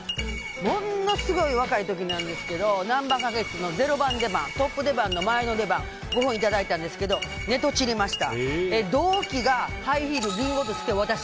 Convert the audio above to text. ものすごい若い時なんですけどなんば花月の０番出番トップ出番の前の出番５分いただいたんですけど寝トチリました。